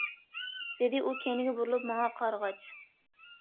!- دېدى ئۇ كەينىگە بۇرۇلۇپ ماڭا قارىغاچ.